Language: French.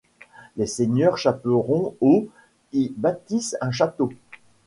Les seigneurs Chaperon aux y bâtissent un château.